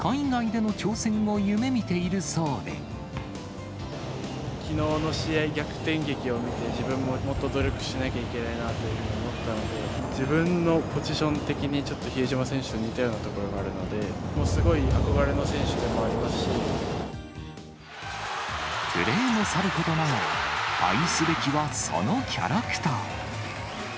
将来、きのうの試合、逆転劇を見て、自分ももっと努力しなきゃいけないなというふうに思ったので、自分のポジション的に、ちょっと比江島選手と似たようなところがあるので、もうすごい憧プレーもさることながら、愛すべきはそのキャラクター。